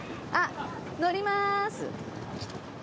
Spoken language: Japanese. あっ乗りまーす！